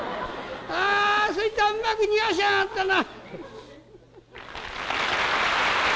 そいつはうまく逃がしやがったな」。